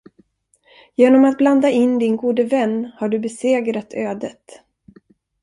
Genom att blanda in din gode vän, har du besegrat ödet.